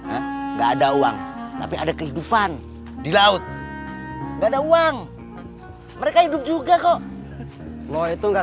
enggak ada uang tapi ada kehidupan di laut atau uang mereka hidup juga kok lo itu nggak